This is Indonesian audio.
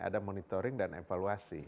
ada monitoring dan evaluasi